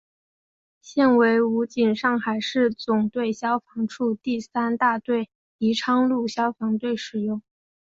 现为武警上海市总队消防处第三大队宜昌路消防队使用。